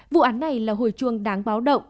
vụ án này là hồi chuông đáng báo động